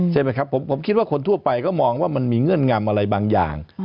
ใช่ไหมครับผมคิดว่าคนทั่วไปก็มองว่ามันมีเงื่อนงำอะไรบางอย่าง